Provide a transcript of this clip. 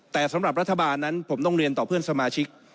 แต่สำหรับรัฐบาลนั้นผมต้องเรียนต่อเพื่อนสมาชิก